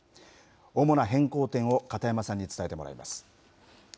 主な変更点を片山さんに伝えてもらいます。